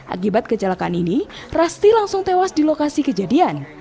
akibat kecelakaan ini rasti langsung tewas di lokasi kejadian